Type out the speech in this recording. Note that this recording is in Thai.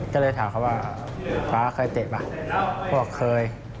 ก็เลยถามเขาว่าฟ้าเคยเตะป่ะพวกเคย